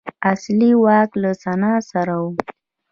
اصلي واک له سنا سره و.